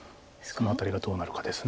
その辺りがどうなるかです。